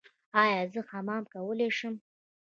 ایا زه حمام کولی شم؟